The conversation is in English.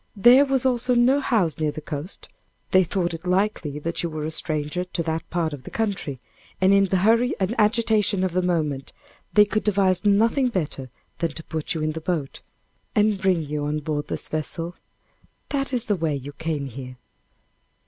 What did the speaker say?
There was also no house near the coast. They thought it likely that you were a stranger to that part of the country. And in the hurry and agitation of the moment, they could devise nothing better than to put you in the boat, and bring you on board this vessel. That is the way you came here."